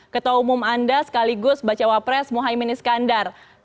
ketua umum anda sekaligus bacawa pres muhaymin iskandar